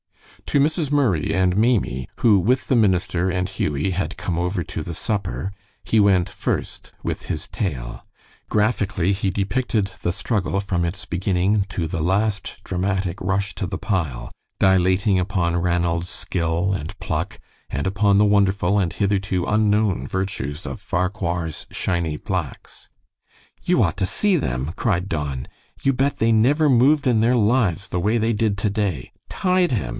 To Mrs. Murray and Maimie, who with the minister and Hughie, had come over to the supper, he went first with his tale. Graphically he depicted the struggle from its beginning to the last dramatic rush to the pile, dilating upon Ranald's skill and pluck, and upon the wonderful and hitherto unknown virtues of Farquhar's shiny blacks. "You ought to see them!" cried Don. "You bet they never moved in their lives the way they did today. Tied him!"